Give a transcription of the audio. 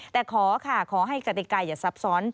แต่ขอค่ะขอให้กติกาอย่าซับซ้อน